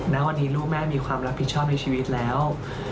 ณวันนี้ลูกแม่มีความรับผิดชอบในชีวิตแล้ว